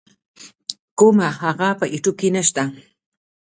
کوومه هغه په یو يټیوب کی نسته.